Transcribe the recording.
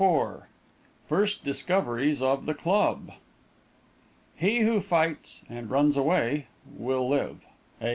FIRST DISCOVERIES OF THE CLUB. "He who fights and runs away, Will live " A.